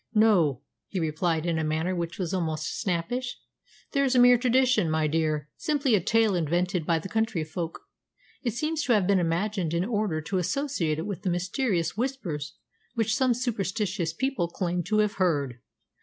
"No," he replied in a manner which was almost snappish. "That's a mere tradition, my dear simply a tale invented by the country folk. It seems to have been imagined in order to associate it with the mysterious Whispers which some superstitious people claim to have heard.